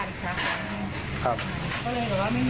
ก็เลยก็ว่าไม่มีคนช่วยดูแล้วออเดอร์เข้าไม่ดี